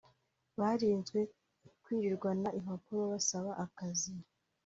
barinzwe kwiriranwa impapuro basaba akazi